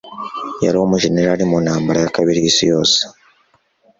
Yari umujenerali mu Ntambara ya Kabiri y'Isi Yose.